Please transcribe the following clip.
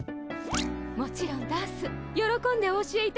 もちろんダンスよろこんでお教えいたしますわ。